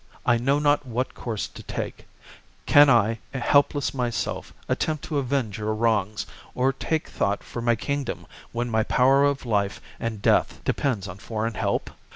I know not what course to take ; can I, helpless myself, attempt to avenge your wrongs, or take thought for my kingdom when my power of life and death depends on foreign help